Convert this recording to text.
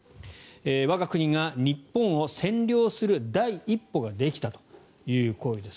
我が国が日本を占領する第一歩ができたという声です。